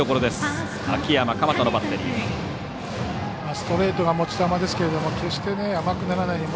ストレートが持ち球ですけども甘くならないように。